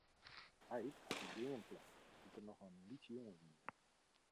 Heit hat dy beam plante doe't er noch in lytse jonge wie.